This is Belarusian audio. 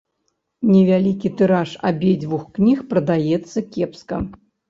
Невялікі тыраж абедзвюх кніг прадаецца кепска.